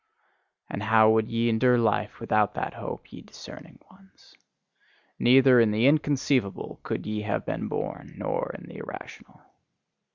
And how would ye endure life without that hope, ye discerning ones? Neither in the inconceivable could ye have been born, nor in the irrational.